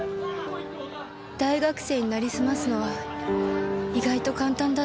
大学生に成りすますのは意外と簡単だった。